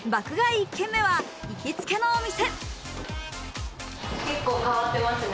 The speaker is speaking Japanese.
１軒目は行きつけのお店。